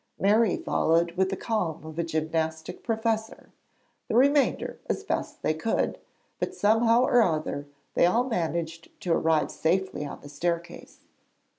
Mary followed with the calm of a gymnastic professor, the remainder as best they could, but somehow or other they all managed to arrive safely on the staircase.